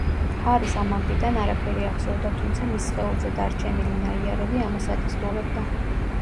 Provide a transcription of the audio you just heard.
ჰარის ამ ამბიდან არაფერი ახსოვდა, თუმცა მის სხეულზე დარჩენილი ნაიარევი ამას ადასტურებდა.